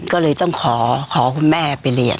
ก็เลยต้องขอคุณแม่ไปเรียน